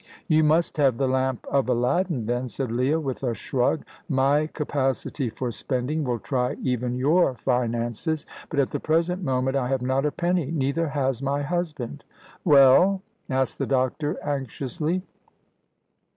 "You must have the lamp of Aladdin, then," said Leah, with a shrug. "My capacity for spending will try even your finances. But at the present moment I have not a penny, neither has my husband." "Well?" asked the doctor, anxiously.